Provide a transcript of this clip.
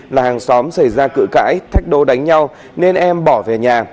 là hàng xóm xảy ra cự cãi thách đố đánh nhau nên em bỏ về nhà